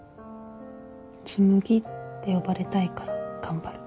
紬って呼ばれたいから頑張る。